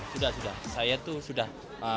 sudah sudah saya itu sudah